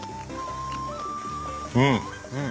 うん。